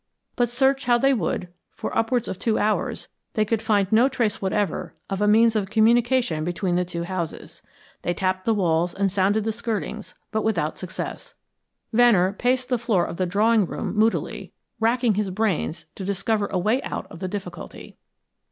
But search how they would, for upwards of two hours, they could find no trace whatever of a means of communication between the two houses. They tapped the walls and sounded the skirtings, but without success. Venner paced the floor of the drawing room moodily, racking his brains to discover a way out of the difficulty.